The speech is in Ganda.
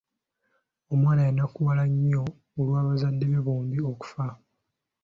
Omwana yanakuwala nnyo olwa bazadde be bombi okufa.